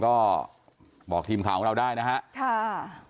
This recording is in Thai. ก็บอกทีมข่าวของเราได้นะฮะค่ะ